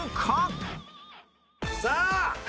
さあ！